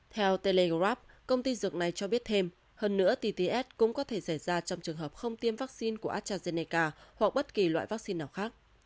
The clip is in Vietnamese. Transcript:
theo telegrap công ty dược này cho biết thêm hơn nữa tts cũng có thể xảy ra trong trường hợp không tiêm vaccine của astrazeneca hoặc bất kỳ loại vaccine nào khác